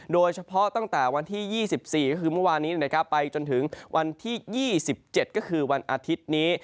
โดยเฉพาะตั้งแต่วันที่๒๔ก็คือเมื่อวานนี้ไปจนถึงวันที่๒๗ก็คือวันอาทิตย์นี้